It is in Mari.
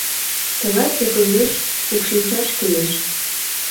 — Тылат ӧкымеш укшинчаш кӱлеш.